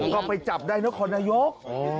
ก็ไปจับได้นครนายก